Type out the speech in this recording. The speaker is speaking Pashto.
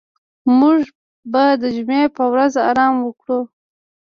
موږ به د جمعې په ورځ آرام وکړو.